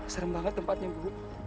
serem banget tempatnya bu